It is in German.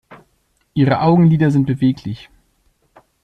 Ihre Augenlider sind beweglich.